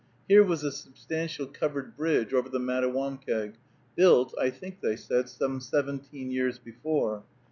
Here was a substantial covered bridge over the Mattawamkeag, built, I think they said, some seventeen years before.